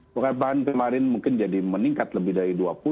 perubahan kemarin mungkin jadi meningkat lebih dari dua puluh